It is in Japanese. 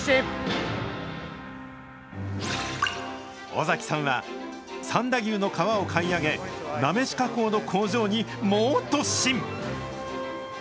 尾崎さんは、三田牛の皮を買い上げ、なめし加工の工場にモ突進！